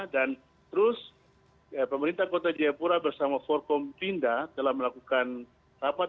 dan terus pemerintah kota jayapura bersama forkom pindah telah melakukan rapat